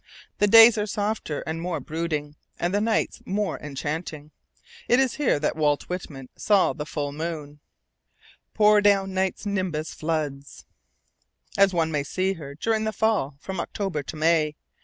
The days are softer and more brooding, and the nights more enchanting. It is here that Walt Whitman saw the full moon "Pour down Night's nimbus floods," as any one may see her, during the full, from October to May.